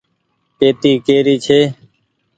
پيتي ڪيري ڇي۔